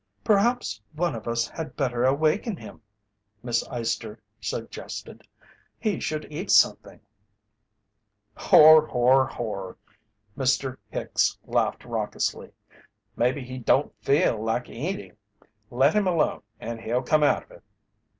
"Perhaps one of us had better awaken him," Miss Eyester suggested. "He should eat something." "Hor! Hor! Hor!" Mr. Hicks laughed raucously. "Maybe he don't feel like eating. Let him alone and he'll come out of it."